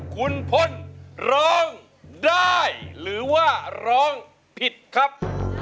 คุณพลร้องได้หรือว่าร้องผิดครับ